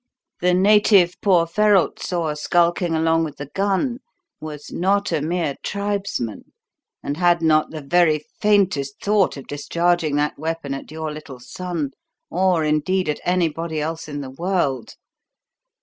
The native poor Ferralt saw skulking along with the gun was not a mere tribesman and had not the very faintest thought of discharging that weapon at your little son, or, indeed, at anybody else in the world.